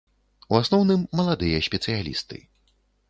У асноўным, маладыя спецыялісты.